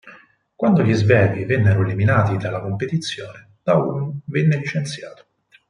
Quando gli "Svevi" vennero eliminati dalla competizione, Daum venne licenziato.